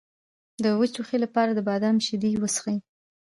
د وچ ټوخي لپاره د بادام شیدې وڅښئ